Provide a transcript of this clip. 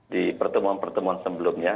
di pertemuan pertemuan sebelumnya